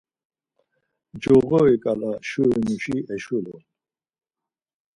Coğoriǩala şurimuşi eşulun.